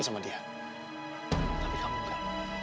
sama dia tapi kamu